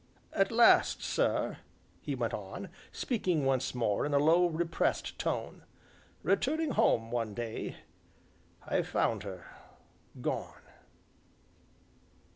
"At last, sir," he went on, speaking once more in a low, repressed tone, "returning home one day, I found her gone."